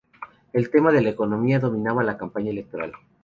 El tema de la economía dominaba la campaña electoral.